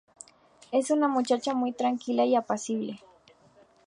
Es una muchacha muy tranquila y apacible.